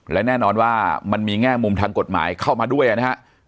และแน่นอนว่ามันมีแง่มุมทางกฎหมายเข้ามาด้วยนะครับ